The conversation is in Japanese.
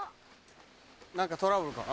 何かトラブルかな？